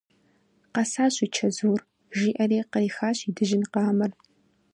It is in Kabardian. Къэсащ уи чэзур! – жиӏэри кърихащ и дыжьын къамэр.